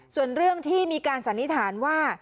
ส่วนเรื่องที่มีการสันนิษฐานว่า